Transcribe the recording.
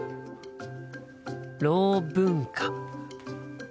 ろう文化。